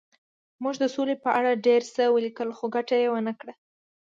موږ د سولې په اړه ډېر څه ولیکل خو ګټه یې ونه کړه